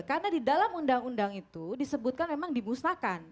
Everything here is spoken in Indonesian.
karena di dalam undang undang itu disebutkan memang dimusnahkan